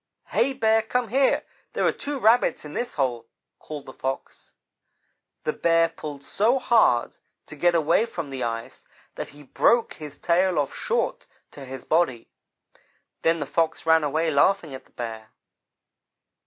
"'Hey, Bear, come here there are two Rabbits in this hole,' called the Fox. "The Bear pulled so hard to get away from the ice, that he broke his tail off short to his body. Then the Fox ran away laughing at the Bear.